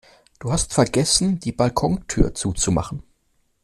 Du hast vergessen die Balkontür zuzumachen